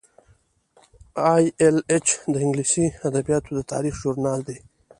ای ایل ایچ د انګلیسي ادبیاتو د تاریخ ژورنال دی.